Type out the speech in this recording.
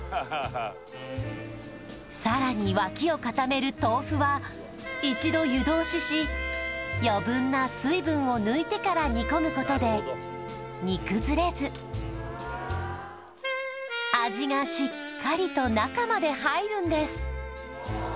さらに脇を固める豆腐は一度湯通しし余分な水分を抜いてから煮込むことで煮崩れず味がしっかりと中まで入るんです